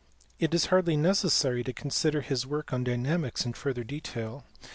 It is hardly necessary to consider his work on dynamics in further detail.